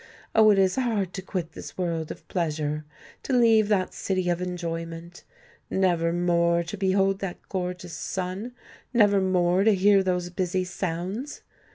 Oh! it is hard to quit this world of pleasure—to leave that city of enjoyment! Never more to behold that gorgeous sun—never more to hear those busy sounds!